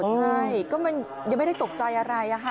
ใช่ก็มันยังไม่ได้ตกใจอะไร